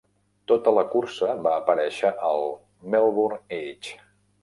Tota la cursa va aparèixer al "Melbourne Age".